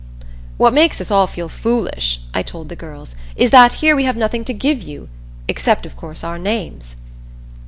"What makes us all feel foolish," I told the girls, "is that here we have nothing to give you except, of course, our names."